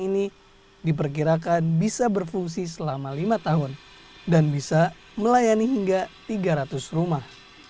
ini diperkirakan bisa berfungsi selama lima tahun dan bisa melayani hingga tiga ratus rumah